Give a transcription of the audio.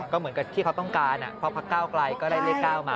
ก็เหมือนกับที่เขาต้องการเพราะพักเก้าไกลก็ได้เลข๙มา